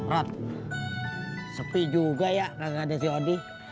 rod sepi juga ya kagak ada si odih